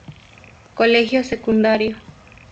Colegio Secundario.